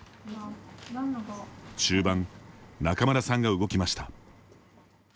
中盤仲邑さんが動きました。